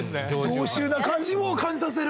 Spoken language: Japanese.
常習な感じも感じさせる。